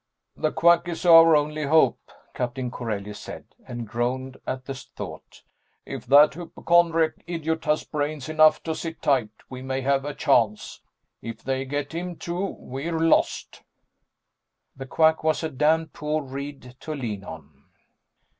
"The Quack is our only hope," Captain Corelli said, and groaned at the thought. "If that hypochondriac idiot has brains enough to sit tight, we may have a chance. If they get him, too, we're lost." The Quack was a damned poor reed to lean on.